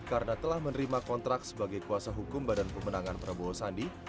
karena telah menerima kontrak sebagai kuasa hukum badan pemenangan prabowo sandi